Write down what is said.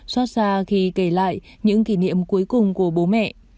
xót xa khi kể lại những kỷ niệm cuối cùng của bố mẹ